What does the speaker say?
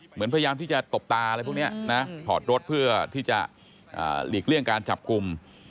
พยายามที่จะตบตาอะไรพวกนี้นะถอดรถเพื่อที่จะหลีกเลี่ยงการจับกลุ่ม